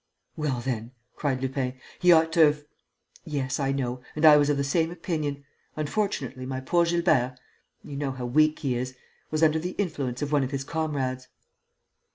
"Well, then," cried Lupin, "he ought to have....!" "Yes, I know ... and I was of the same opinion. Unfortunately, my poor Gilbert you know how weak he is! was under the influence of one of his comrades."